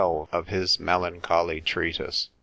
of his Melancholy Treatise.